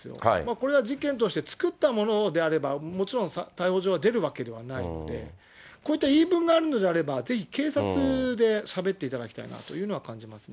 これは事件として作ったものであれば、もちろん逮捕状は出るわけではないので、こういった言い分があるのであれば、ぜひ警察でしゃべっていただきたいなというのは感じますね。